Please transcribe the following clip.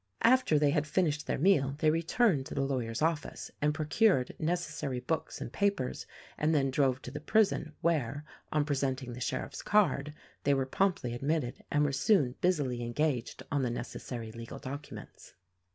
After they had finished their meal they returned to the lawyer's office and procured necessary books and papers and then drove to the prison where, on presenting the sheriff's card, they were promptly admitted and were soon busily engaged on the necessary legal documents.